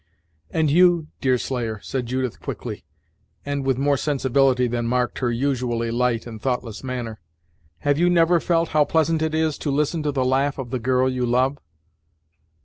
"And you, Deerslayer," said Judith quickly, and with more sensibility than marked her usually light and thoughtless manner, "have you never felt how pleasant it is to listen to the laugh of the girl you love?"